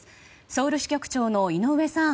ソウル支局長の井上さん